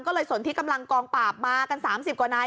ก็เลยสนที่กำลังกองปราบมากัน๓๐กว่านาย